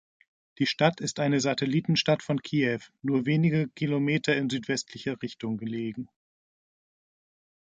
Die Stadt ist eine Satellitenstadt von Kiew, nur wenige Kilometer in südwestlicher Richtung gelegen.